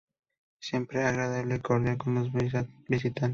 Siempre agradable y cordial con los visitantes.